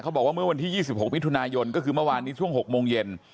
บอกว่าเมื่อวันที่๒๖มิถุนายนก็คือเมื่อวานนี้ช่วง๖โมงเย็น